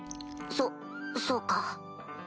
そそうか。